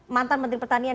mantan menteri pertanian